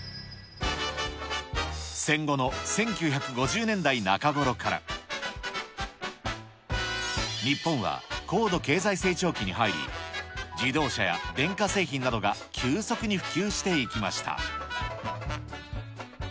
戦後の１９５０年代中ごろから、日本は高度経済成長期に入り、自動車や電化製品などが急速に普及していきました。